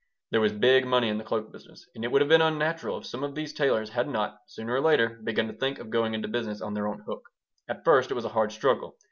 There was big money in the cloak business, and it would have been unnatural if some of these tailors had not, sooner or later, begun to think of going into business on their own hook. At first it was a hard struggle.